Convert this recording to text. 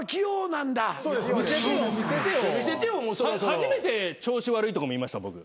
初めて調子悪いとこ見ました僕。